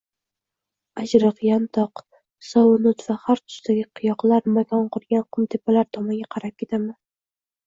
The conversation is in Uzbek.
Ajriq, yantoq, sovun oʻt va har tusdagi qiyoqlar makon qurgan qumtepalar tomonga qarab ketaman.